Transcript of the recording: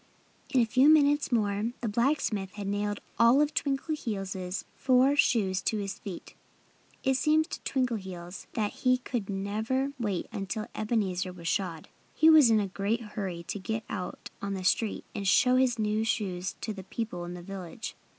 In a few minutes more the blacksmith had nailed all of Twinkleheels' four shoes to his feet. It seemed to Twinkleheels that he could never wait until Ebenezer was shod. He was in a great hurry to get out on the street and show his new shoes to the people in the village.